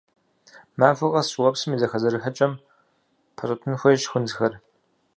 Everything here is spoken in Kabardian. Махуэ къэс щӏыуэпсым и зэхэзэрыхьыкӏэм пэщӏэтын хуейщ хунзхэр.